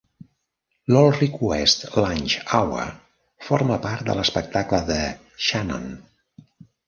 L'All Request Lunch Hour forma part de l'espectacle de Shannon.